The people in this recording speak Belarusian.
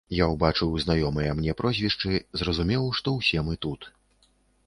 Я ўбачыў знаёмыя мне прозвішчы, зразумеў, што ўсе мы тут.